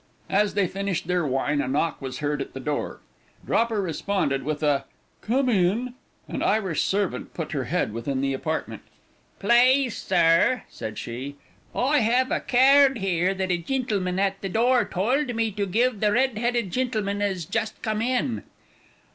As they finished their wine a knock was heard at the door. Dropper responded with a "Come in." An Irish servant put her head within the apartment: "Plase, sir," said she, "I have a caird here that a gintleman at the door towld me to give to the red headed gintleman as just come in."